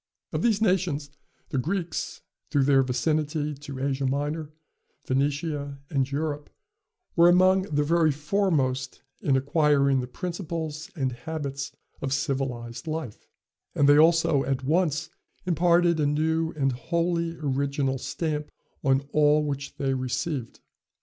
Of these nations the Greeks, through their vicinity to Asia Minor, Phoenicia, and Egypt, were among the very foremost in acquiring the principles and habits of civilized life; and they also at once imparted a new and wholly original stamp on all which they received.